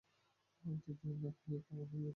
অতিথিদের না খাইয়ে কখনোই যেতে দেন না।